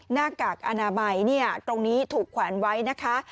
หน้ากากอนามัยตรงนี้ถูกแขวนไว้นะคะ